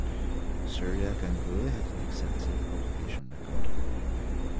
Surya Ganguli has an extensive publication record.